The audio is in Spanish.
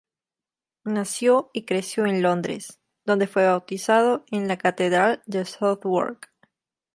Nació y creció en Londres, donde fue bautizado en la Catedral de Southwark.